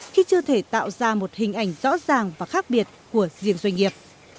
khi chưa thể tạo ra một hình ảnh rõ ràng và khác biệt của riêng doanh nghiệp